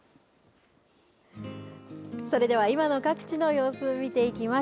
それでは今の各地の様子、見ていきます。